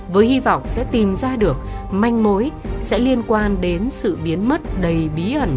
với hy vọng sẽ tìm ra được manh mối sẽ liên quan đến sự biến mất đầy bí ẩn